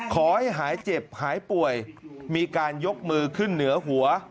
ขอให้หายเจ็บหายป่วยมีการยกมือขึ้นเหนือหัว